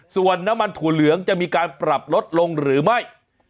ส่วนน้ำมันถั่วเหลืองจะมีการปรับลดลงหรือไม่